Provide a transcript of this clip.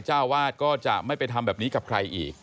เจ้าวาดก็จะไม่ไปทำแบบนี้กับใครอีก